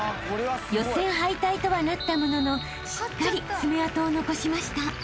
［予選敗退とはなったもののしっかり爪痕を残しました］